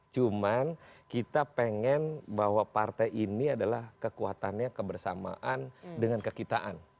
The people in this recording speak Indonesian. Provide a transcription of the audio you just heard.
cuman kita pengen bahwa partai ini adalah kekuatannya kebersamaan dengan kekitaan